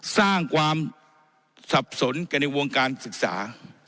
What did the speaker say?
สร้างความสับสนกันในวงการศึกษา